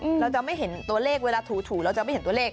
เราจะไม่เห็นตัวเลขเวลาถูถูเราจะไม่เห็นตัวเลข